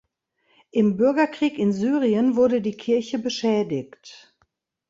Im Bürgerkrieg in Syrien wurde die Kirche beschädigt.